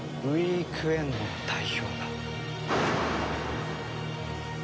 ウィークエンドの代表だ。